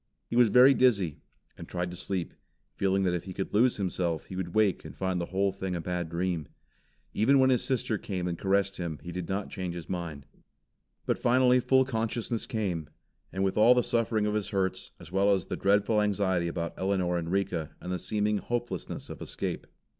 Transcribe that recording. He was very dizzy, and tried to sleep, feeling that if he could lose himself, he would wake and find the whole thing a bad dream. Even when his sister came and caressed him, he did not change his mind. But finally full consciousness came, with all the suffering of his hurts, as well as the dreadful anxiety about Elinor and Rika and the seeming hopelessness of escape.